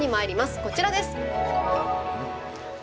こちらです。